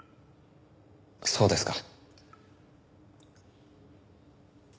そうですか。